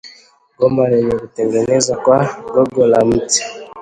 goma lenye kutengenezwa kwa gogo la mti